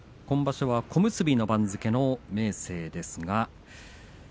今場所は小結の番付の明生です。